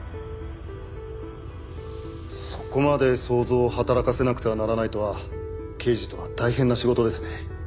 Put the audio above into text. そこまで想像を働かせなくてはならないとは刑事とは大変な仕事ですね。